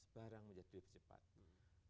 barang menjadi lebih cepat